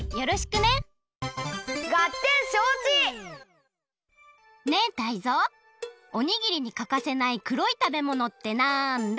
ねえタイゾウおにぎりにかかせないくろい食べものってなんだ？